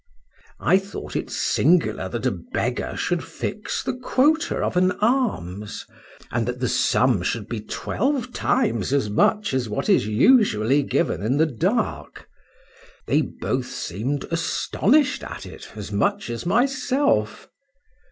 I thought it singular that a beggar should fix the quota of an alms—and that the sum should be twelve times as much as what is usually given in the dark.—They both seemed astonished at it as much as myself.